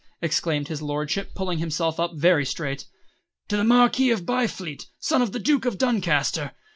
exclaimed his lordship, pulling himself up very straight. "To the Marquis of Byfleet, son of the Duke of Duncaster.